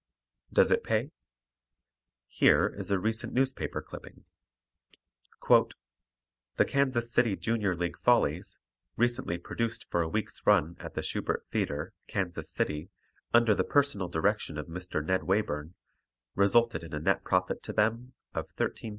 Does it pay? Here is a recent newspaper clipping: "The Kansas City Junior League Follies, recently produced for a week's run at the Shubert Theatre, Kansas City, under the personal direction of Mr. Ned Wayburn, resulted in a net profit to them of $13,844.00."